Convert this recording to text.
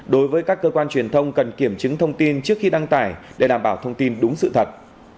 đối với các cơ quan truyền thông cần kiểm chứng thông tin trước khi đăng tải để đảm bảo thông tin đúng sự thật